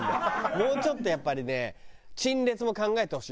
もうちょっとやっぱりね陳列も考えてほしい。